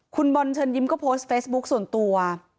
คุณบอลเชิญยิ้มก็โพสต์เฟซบุ๊คส่วนตัว